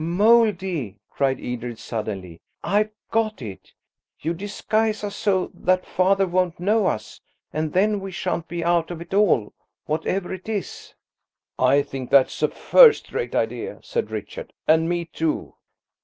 "Mouldie!" cried Edred suddenly, "I've got it. You disguise us so that father won't know us, and then we shan't be out of it all, whatever it is." "I think that's a first rate idea," said Richard; "and me too."